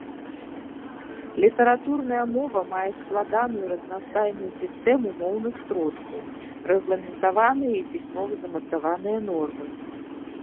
Літаратурная мова мае складаную і разнастайную сістэму моўных сродкаў, рэгламентаваныя і пісьмова замацаваныя нормы.